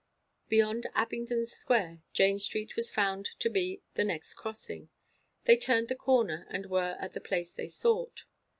Beyond Abingdon Square Jane Street was found to be the next crossing. They turned the corner and were at the place they sought.